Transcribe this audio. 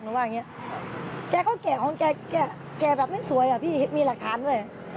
ว่าอย่างเงี้ยแกก็แก่ของแกแกแบบไม่สวยอ่ะพี่มีหลักฐานด้วย